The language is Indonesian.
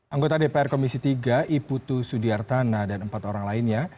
anggota dpr komisi tiga iputu sudiartana dan empat orang lainnya